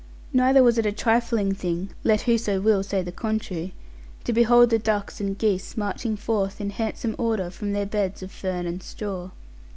Neither was it a trifling thing, let whoso will say the contrary, to behold the ducks and geese marching forth in handsome order from their beds of fern and straw.